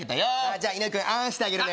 じゃあ井上君あーんしてあげるね